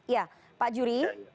ya pak juri